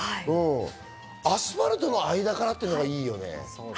アスファルトの間からってのがいいよね。